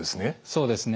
そうですね。